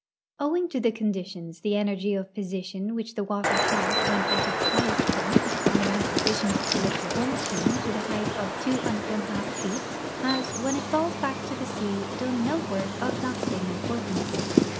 Owing to the conditions, the energy of position which the water had when at its highest point (an amount sufficient to lift one ton to the height of two and one half feet) has, when it falls back to the sea, done no work of lasting importance.